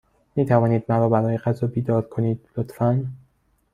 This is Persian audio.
می توانید مرا برای غذا بیدار کنید، لطفا؟